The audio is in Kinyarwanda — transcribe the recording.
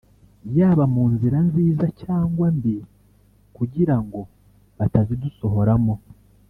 yaba mu nzira nziza cyangwa mbi kugira ngo batazidusohoramo